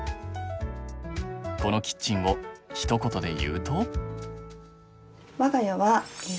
このキッチンをひと言で言うと？